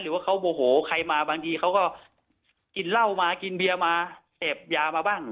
หรือว่าเขาโมโหใครมาบางทีเขาก็กินเหล้ามากินเบียร์มาเสพยามาบ้าง